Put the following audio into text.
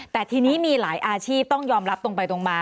แต่ทีนี้มีหลายอาชีพต้องยอมรับตรงไปตรงมา